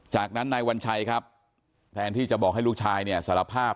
จากนั้นนายวัญชัยครับแทนที่จะบอกให้ลูกชายเนี่ยสารภาพ